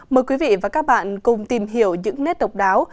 mời quý vị và các bạn cùng tìm hiểu những nét độc đáo